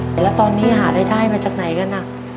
แต่ละตอนนี้หาได้มาจากไหนกันน่ะ